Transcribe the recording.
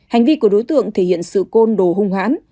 hành vi của đối tượng thể hiện sự côn đồ hung hãn